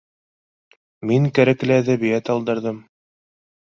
— Мин кәрәкле әҙәбиәт алдырҙым